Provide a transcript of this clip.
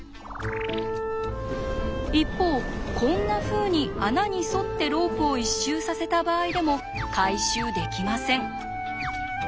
一方こんなふうに穴に沿ってロープを一周させた場合でも回収できません。